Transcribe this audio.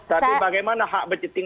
tapi bagaimana hak budgeting